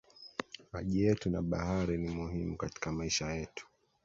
Maji yetu na bahari ni muhimu katika maisha yetu